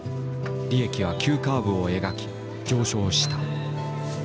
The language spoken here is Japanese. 利益は急カーブを描き上昇した。